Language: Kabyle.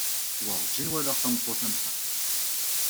Werǧin walaɣ tameṭṭut am ta.